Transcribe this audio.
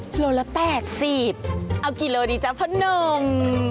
กิโลละ๘๐เอากิโลละดีจ๊ะพะนม